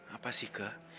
apa sih kak